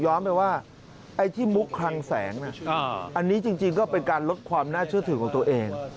ไปว่าไอ้ที่มุกคลังแสงอันนี้จริงก็เป็นการลดความน่าเชื่อถือของตัวเอง